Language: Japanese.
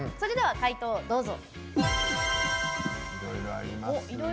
回答をどうぞ。